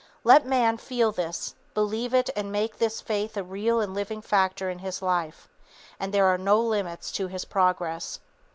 Let man feel this, believe it and make this faith a real and living factor in his life and there are no limits to his progress.